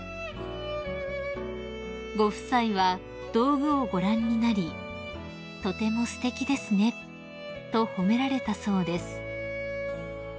［ご夫妻は道具をご覧になり「とてもすてきですね」と褒められたそうです］